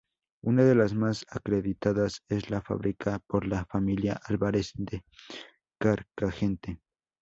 Una de las más acreditadas es la fabricada por la familia Álvarez de Carcagente.